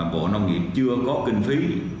bộ nông nghiệp chưa có kinh phí